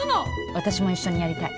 私も一緒にやりたい。